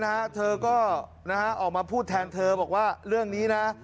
นะฮะเธอก็นะฮะออกมาพูดแทนเธอบอกว่าเรื่องนี้นะ